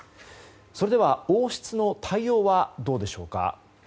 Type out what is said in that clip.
それでは王室の対応はどうでしょうか。